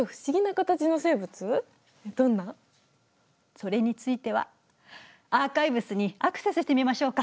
それについてはアーカイブスにアクセスしてみましょうか。